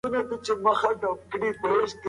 هر فرد باید خپل رول ولوبوي.